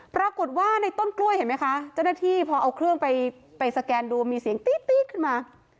ปรากฏว่าในต้นกล้วยเห็นไหมคะเจ้าหน้าที่พอเอาเครื่องไปสแกนดูมีเสียงตี๊ดขึ้นมา